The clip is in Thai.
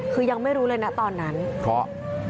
คือยังไม่รู้เลยนะตอนนั้นเพราะ